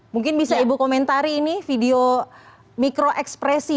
mungkin bisa ibu komentari ini video mikro ekspresi